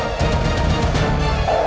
aku akan menikah denganmu